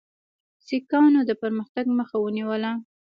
سیکهانو د پرمختګ مخه ونیوله.